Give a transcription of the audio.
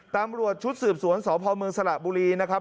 ตำรวจชุดสืบสวนสพเมืองสระบุรีนะครับ